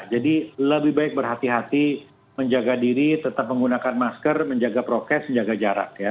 jadi lebih baik berhati hati menjaga diri tetap menggunakan masker menjaga prokes menjaga jarak